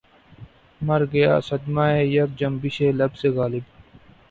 مرگیا صدمہٴ یک جنبشِ لب سے غالب